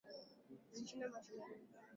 Alishinda mashindano ya magari